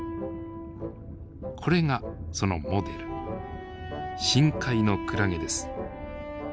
これがそのモデル深海のクラゲです。